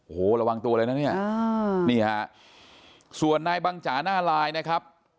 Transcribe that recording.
โหระวังตัวเลยนะเนี่ยนี่ค่ะส่วนนายบางจาน่าไลน์นะครับ